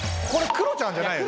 クロちゃんじゃない。